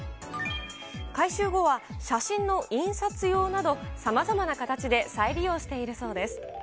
回収後は、写真の印刷用などさまざまな形で再利用しているそうです。